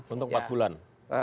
untuk empat bulan